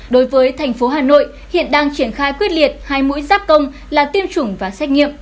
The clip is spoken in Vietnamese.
đối với thành phố hà nội hiện đang triển khai quyết liệt hai mũi giáp công là tiêm chủng và xét nghiệm